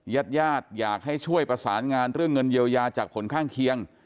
ญาติญาติอยากให้ช่วยประสานงานเรื่องเงินเยียวยาจากผลข้างเคียง